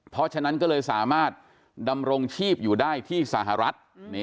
เพราะฉะนั้นก็เลยสามารถดำรงชีพอยู่ได้ที่สหรัฐ